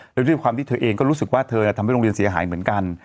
แล้วด้วยความที่เธอเองก็รู้สึกว่าเธอทำให้โรงเรียนเสียหายเหมือนกัน